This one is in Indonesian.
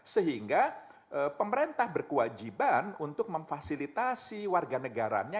sehingga pemerintah berkewajiban untuk memfasilitasi warga negaranya